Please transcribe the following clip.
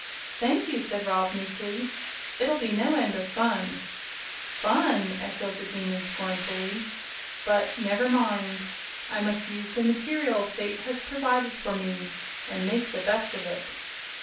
"Thank you," said Rob, meekly. "It'll be no end of fun." "Fun!" echoed the Demon, scornfully. "But never mind; I must use the material Fate has provided for me, and make the best of it."